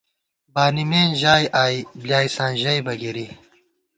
بانِمېن ژائی آئی بۡلیائیساں ژَئیبہ گِرِی